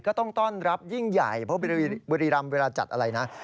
ก็ต้องต้อนรับยิ่งใหญ่เพราะบุรีรำเวลาจัดอะไรนะ